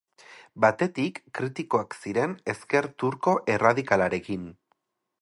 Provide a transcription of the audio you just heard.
Batetik, kritikoak ziren ezker turko erradikalarekin.